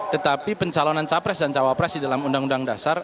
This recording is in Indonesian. tetapi pencalonan capres dan cawapres di dalam undang undang dasar